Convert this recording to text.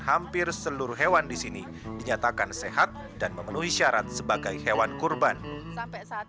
hampir seluruh hewan di sini dinyatakan sehat dan memenuhi syarat sebagai hewan kurban sampai saat